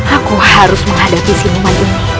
aku harus menghadapi si umat ini